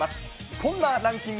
こんなランキング